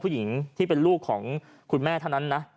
ผู้หญิงที่เป็นลูกของคุณแม่เท่านั้นนะ